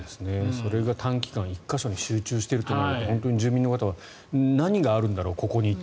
それが短期間１か所に集中しているとなると住民の方はここに何があるんだろうと。